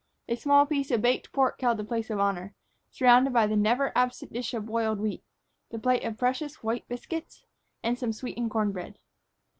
A small piece of baked pork held the place of honor, surrounded by the never absent dish of boiled wheat, the plate of precious white biscuits, and some sweetened corn bread.